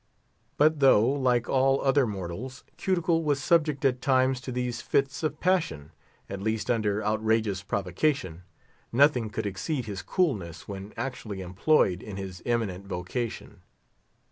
But though, like all other mortals, Cuticle was subject at times to these fits of passion—at least under outrageous provocation—nothing could exceed his coolness when actually employed in his imminent vocation.